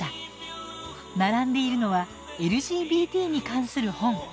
並んでいるのはＬＧＢＴに関する本。